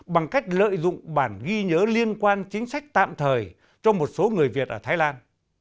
bằng cách lợi dụng bản ghi nhớ liên quan chính sách tạm thời cho một số người việt ở thái lan